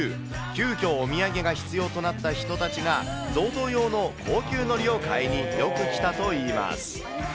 急きょ、お土産が必要となった人たちが贈答用の高級海苔を買いによく来たといいます。